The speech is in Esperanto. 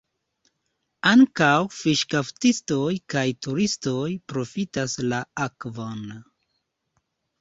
Ankaŭ fiŝkaptistoj kaj turistoj profitas la akvon.